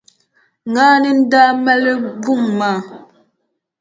Ŋaani n-daa mali buŋa maa.